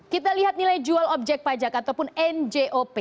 kita lihat nilai jual objek pajak ataupun njop